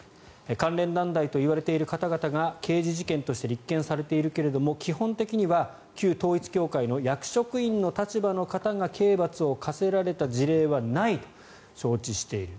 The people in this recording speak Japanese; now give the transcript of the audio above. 関連団体といわれている方々が刑事事件として立件されているけれども基本的には旧統一教会の役職員の立場の方が刑罰を科せられた事例はないと承知している。